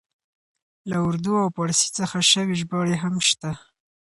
له اردو او پاړسي څخه شوې ژباړې هم شته.